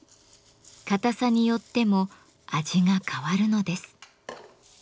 硬さによっても味が変わるのです。